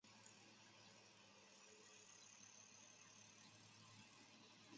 两侧都是古老的带有拱廊的店铺和老建筑。